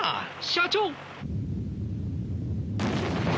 社長！